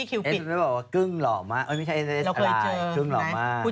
แต่กึ่งมีเสน่ห์นะเวลาคุย